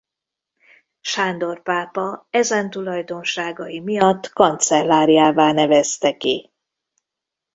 Sándor pápa ezen tulajdonságai miatt kancellárjává nevezte ki.